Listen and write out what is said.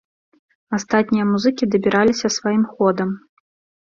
Астатнія музыкі дабіраліся сваім ходам.